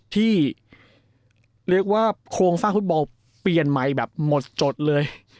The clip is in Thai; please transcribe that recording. ที่เรียกว่าโครงสร้างฟุตบอลเปลี่ยนใหม่แบบหมดจดเลย